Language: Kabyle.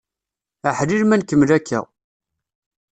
Aḥlil ma nkemmel akka!